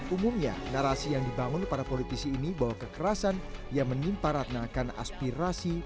umumnya narasi yang dibangun para politisi ini bahwa kekerasan yang menimpa ratna akan aspirasi